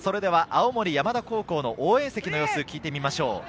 青森山田高校の応援席の様子を聞いてみましょう。